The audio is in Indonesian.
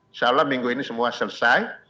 insya allah minggu ini semua selesai